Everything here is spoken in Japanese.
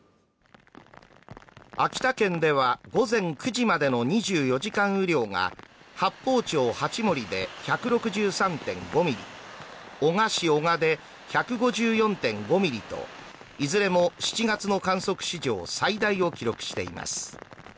秋田県では午前９時までの２４時間雨量が八峰町八森で１６３．５ミリ男鹿市男鹿で１５４．５ミリといずれも７月の観測史上最大を記録しています。